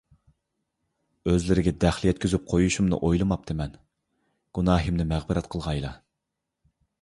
ئۆزلىرىگە دەخلى يەتكۈزۈپ قويۇشۇمنى ئويلىماپتىمەن. گۇناھىمنى مەغپىرەت قىلغايلا.